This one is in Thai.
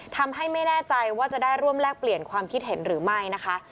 ทำให้ไม่แน่ใจว่าจะได้ร่วมแลกเปลี่ยนความคิดเห็นหรือไม่นะคะ